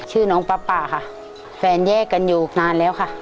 ชื่อน้องป๊าค่ะแฟนแยกกันอยู่นานแล้วค่ะ